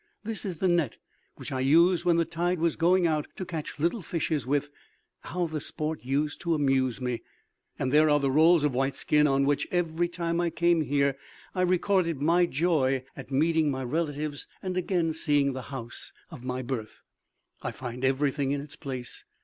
This is the net which I used when the tide was going out to catch little fishes with; how the sport used to amuse me!... There are the rolls of white skin on which, every time I came here, I recorded my joy at meeting my relatives and again seeing the house of my birth.... I find everything in its place.